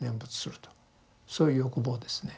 そういう欲望ですね。